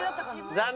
残念！